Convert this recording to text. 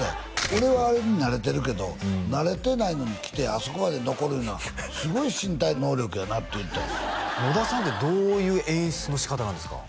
俺はあれに慣れてるけど慣れてないのに来てあそこまで残るいうのはすごい身体能力やなって言うてた野田さんってどういう演出の仕方なんですか？